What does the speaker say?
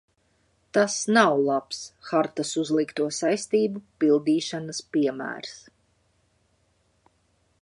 Tas nav labs hartas uzlikto saistību pildīšanas piemērs.